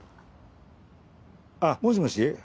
あっもしもし？